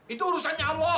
itu urusannya allah